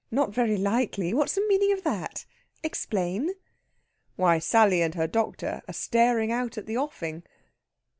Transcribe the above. Not very likely. What's the meaning of that? Explain." "Why, Sally and her doctor are staring out at the offing...."